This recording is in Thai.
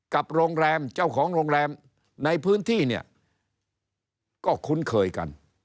กับโรงแรมเจ้าของโรงแรมในพื้นที่เนี่ยก็คุ้นเคยกัน